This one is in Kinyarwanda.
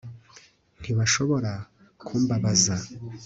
ntibashobora kumbabaza